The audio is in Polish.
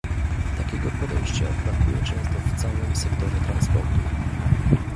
Takiego podejścia brakuje często w całym sektorze transportu